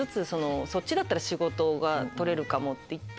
そっちだったら仕事が取れるかもっていって。